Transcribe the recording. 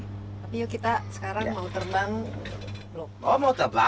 tapi yuk kita sekarang mau terbang